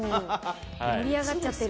盛り上がっちゃってる。